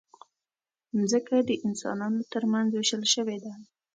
مځکه د انسانانو ترمنځ وېشل شوې ده.